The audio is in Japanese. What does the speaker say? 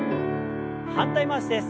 反対回しです。